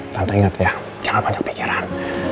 tante inget ya jangan banyak pikiran